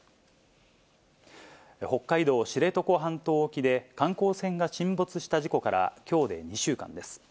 北海道知床半島沖で、観光船が沈没した事故からきょうで２週間です。